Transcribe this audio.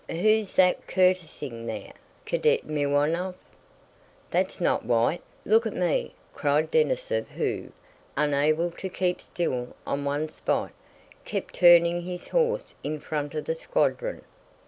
"Who's that curtseying there? Cadet Miwónov! That's not wight! Look at me," cried Denísov who, unable to keep still on one spot, kept turning his horse in front of the squadron.